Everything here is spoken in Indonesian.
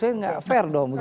saya gak fair dong